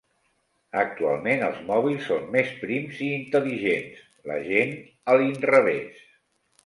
Actualment, els mòbils són més prims i intel·ligents; la gent, a l'inrevés.